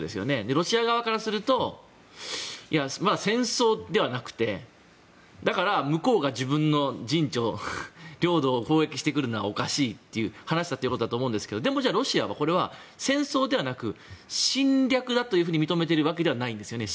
ロシア側からすると戦争ではなくてだから、向こうが自分の陣地領土を攻撃してくるのはおかしいっていう話だってことだと思うんですがでもロシアはこれは戦争ではなく侵略だと認めているわけではないんですよね。